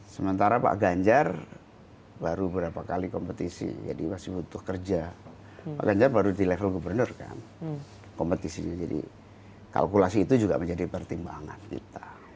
sementara pak ganjar baru berapa kali kompetisi jadi masih butuh kerja pak ganjar baru di level gubernur kan kompetisinya jadi kalkulasi itu juga menjadi pertimbangan kita